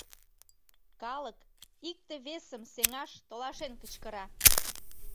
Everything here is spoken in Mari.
Калык икте-весым сеҥаш толашен кычкыра.